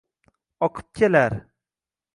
Oqib kelar